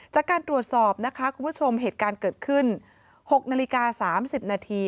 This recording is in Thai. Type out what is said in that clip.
จากการตรวจสอบนะคะคุณผู้ชมเหตุการณ์เกิดขึ้น๖นาฬิกา๓๐นาที